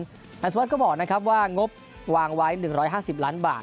สวัสดิ์ฤทธิ์ก็บอกว่างบอกว่างไว้๑๕๐ล้านบาท